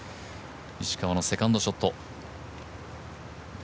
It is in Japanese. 石川のセカンドショット。